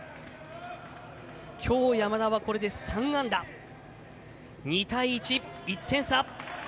きょう山田はこれで３安打２対１、１点差。